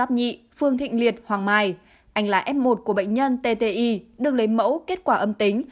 nhị phương thịnh liệt hoàng mai anh là f một của bệnh nhân tti được lấy mẫu kết quả âm tính